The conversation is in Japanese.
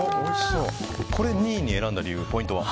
これ２位に選んだ理由ポイントは。